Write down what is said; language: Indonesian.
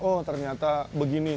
oh ternyata begini